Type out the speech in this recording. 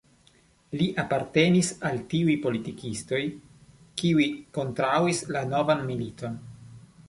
Li apartenis al tiuj politikistoj, kiuj kontraŭis la novan militon.